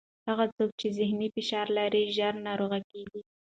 هغه څوک چې ذهني فشار لري، ژر ناروغه کېږي.